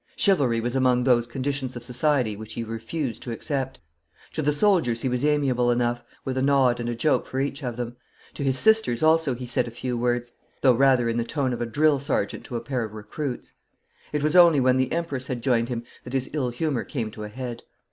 Chivalry was among those conditions of society which he refused to accept. To the soldiers he was amiable enough, with a nod and a joke for each of them. To his sisters also he said a few words, though rather in the tone of a drill sergeant to a pair of recruits. It was only when the Empress had joined him that his ill humour came to a head.